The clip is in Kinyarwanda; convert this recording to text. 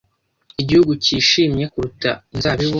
igihugu cyishimye kuruta inzabibu